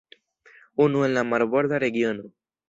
Unu en la marborda regiono.